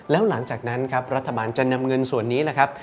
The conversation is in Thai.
แล้วหลังจากนั้นครับรัฐบาลจะนำเงินส่วนนี้นะครับ